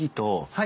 はい。